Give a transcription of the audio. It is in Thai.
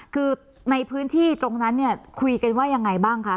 คือในพื้นที่ตรงนั้นเนี่ยคุยกันว่ายังไงบ้างคะ